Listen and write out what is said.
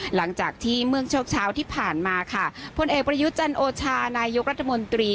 หลังจากที่เมื่อช่วงเช้าที่ผ่านมาค่ะพลเอกประยุทธ์จันโอชานายกรัฐมนตรี